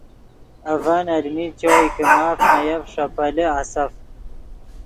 اڤن المین چوئے کہ ماف نے یف ݰے پیلے آسف